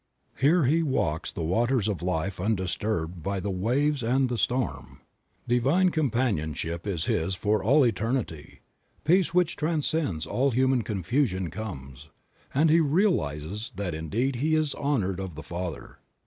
Here he walks the waters of life undisturbed by the waves and the storm. Divine companionship is his for all eternity. Peace which transcends all human confusion comes, and Creative Mind. 25 he realizes that indeed he is honored of the Father.